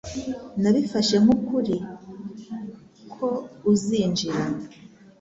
Nabifashe nk'ukuri ko uzinjira.